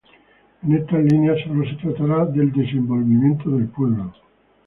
En estas líneas solo se tratará del desenvolvimiento del pueblo.